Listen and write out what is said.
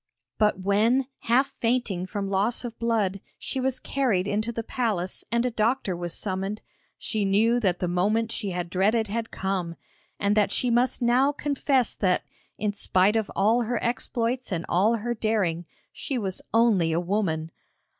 But when, half fainting from loss of blood, she was carried into the palace and a doctor was summoned, she knew that the moment she had dreaded had come, and that she must now confess that, in spite of all her exploits and all her daring, she was only a woman.